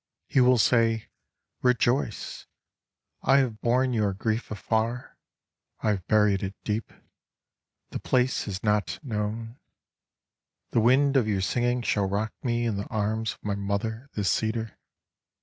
He will say, "Rejoice—I have borne your grief afar,I have buried it deep, The place is not known."The wind of your singing shall rock meIn the arms of my mother, the cedar.